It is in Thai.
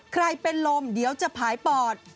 เป็นลมเดี๋ยวจะผายปอด